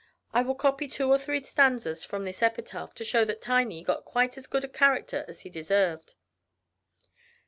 I will copy two or three stanzas from this epitaph, to show that Tiney got quite as good a character as he deserved.